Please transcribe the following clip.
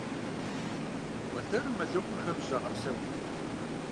Уэтэрым мэлыхъуэхэм зыщагъэпсэху.